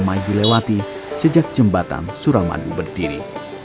ramai dilewati sejak jembatan suramadu berdiri